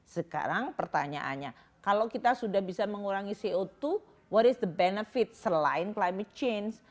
sekarang pertanyaannya kalau kita sudah bisa mengurangi co dua what is the benefit selain climate change